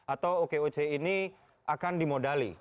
atau oke oce ini akan dimodali